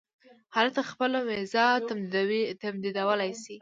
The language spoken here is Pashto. هلته خپله وېزه تمدیدولای شم.